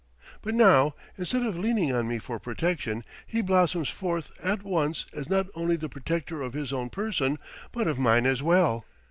But now, instead of leaning on me for protection, he blossoms forth at once as not only the protector of his own person, but of mine as well!